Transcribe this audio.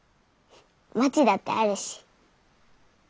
まちだってあるし。